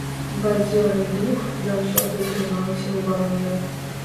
Бадзёры дух заўсёды трымаўся ўва мне.